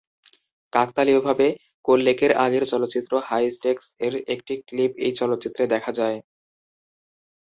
কাকতালীয়ভাবে, কোল্লেকের আগের চলচ্চিত্র "high stakes" এর একটি ক্লিপ এই চলচ্চিত্রে দেখা যায়।